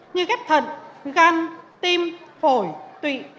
như ghép thần gan tim phổi tụy